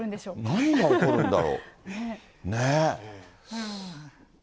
何が起こるんだろう。ねぇ。